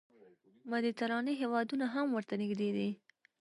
مدیترانې هېوادونه هم ورته نږدې دي.